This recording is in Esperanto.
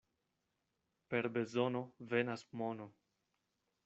Per bezono venas mono.